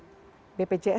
bpjs kesehatan bpjs kesehatan